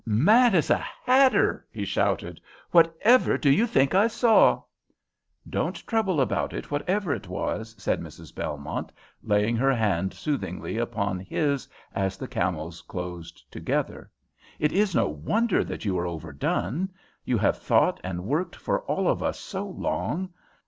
"Mad as a hatter," he shouted. "Whatever do you think I saw?" "Don't trouble about it, whatever it was," said Mrs. Belmont, laying her hand soothingly upon his as the camels closed together. "It is no wonder that you are overdone. You have thought and worked for all of us so long.